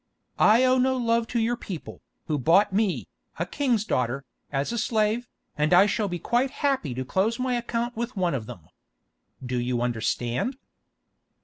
I owe no love to your people, who bought me, a king's daughter, as a slave, and I shall be quite happy to close my account with one of them. Do you understand?"